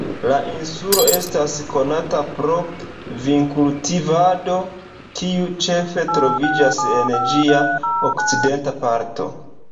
La insulo estas konata pro vinkultivado, kiu ĉefe troviĝas en ĝia okcidenta parto.